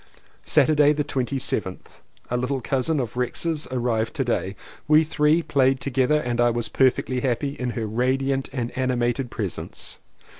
Saturday the 27th. A little cousin of Rex's arrived to day. We three played together and I was per fectly happy in her radiant and animated presence.